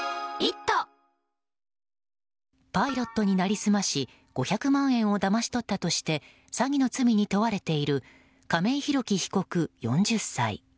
パイロットに成り済まし５００万円をだまし取ったとして詐欺の罪に問われている亀井裕貴被告、４０歳。